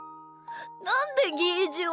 なんでゲージは。